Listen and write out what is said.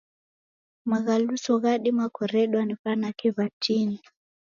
Maghaluso ghadima kuredwa ni w'anake w'atini.